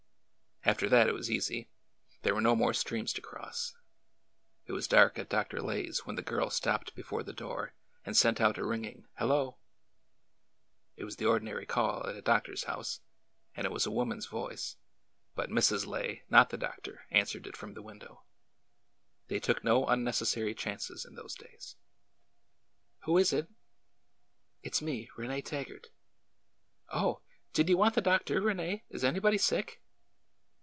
After that it was easy. There were no more streams to cross. It was dark at Dr. Lay's when the girl stopped be fore the door and sent out a ringing " Hello !" It was the ordinary call at a doctor's ^ouse, and it was a woman's voice, but Mrs. Lay, not the doctor, answ'ered it from the window. They took no unnecessary chances in those days. Who is it?" It 's me. Rene Taggart." '' Oh ! Did you want the doctor, Rene ? Is anybody sick?"